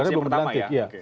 karena belum berhenti